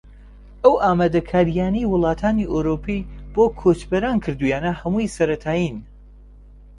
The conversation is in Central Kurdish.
ئەو ئامادەکارییانەی وڵاتانی ئەوروپی بۆ کۆچبەران کردوویانە هەمووی سەرەتایین